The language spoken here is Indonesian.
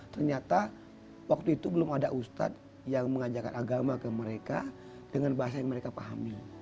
ternyata waktu itu belum ada ustadz yang mengajarkan agama ke mereka dengan bahasa yang mereka pahami